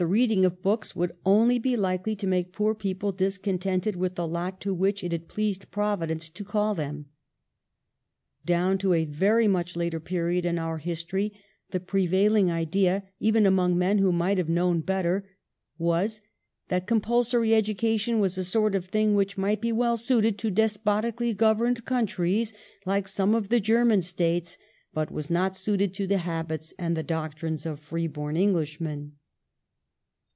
reading of books would only be likely to make poor people discontented with the lot to which it had pleased Providence to call them. Down to a very much later period in our history the prevailing idea, even among men who might have known better, was that compulsory education was a sort of thing which might be well suited to despotically governed countries like some of the German States, but was not suited to the habits and the doctrines of free born EngHshmen.